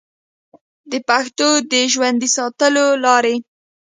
د پښتو د ژوندي ساتلو لارې